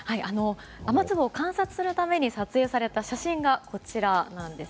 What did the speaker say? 雨粒を観察するために撮影された写真がこちらなんです。